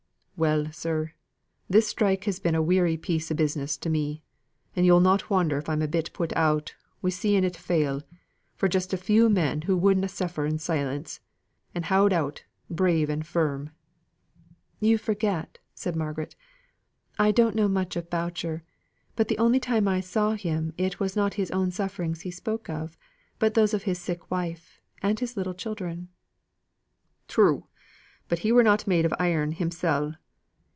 "Well, sir, this strike has been a weary bit o' business to me; and yo'll not wonder if I'm a bit put out wi' seeing it fail, just for a few men who would na suffer in silence, and aou'd out, brave and firm." "You forget!" said Margaret. "I don't know much of Boucher; but the only time I saw him it was not his own sufferings he spoke of, but those of his sick wife his little children." "True! but he were not made of iron himsel'.